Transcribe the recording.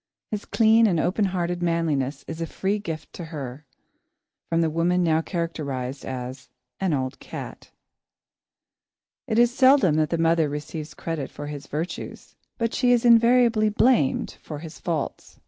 His clean and open hearted manliness is a free gift to her, from the woman now characterised as "an old cat." It is seldom that the mother receives credit for his virtues, but she is invariably blamed for his faults.